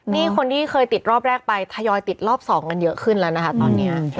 นี่คนที่เคยติดรอบแรกไปทยอยติดรอบ๒กันเยอะขึ้นแล้วนะคะตอนนี้